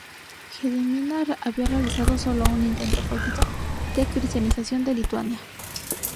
Gediminas había realizado sólo un intento fallido de cristianización de Lituania.